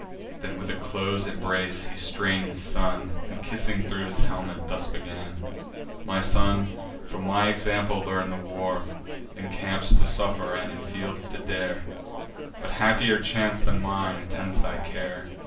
Then with a close embrace he strain'd his son, And, kissing thro' his helmet, thus begun: "My son, from my example learn the war, In camps to suffer, and in fields to dare; But happier chance than mine attend thy care!